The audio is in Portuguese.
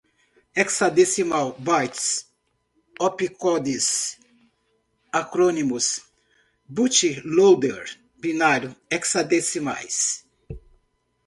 Hexadecimal, bytes, opcodes, acrônimos, bootloader, binário, hexadecimais